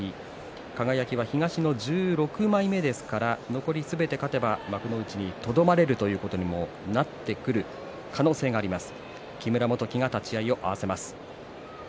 輝は東の１６枚目ですから残りすべて勝てば幕内にとどまるということにもなってくる可能性があります。